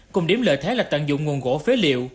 cùng điểm lợi thế là tận dụng nguồn gỗ phế liệu